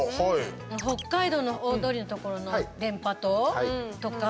北海道のほうの大通の所の電波塔とか。